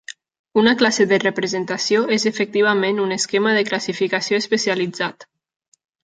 Una "classe de representació" és efectivament un esquema de classificació especialitzat.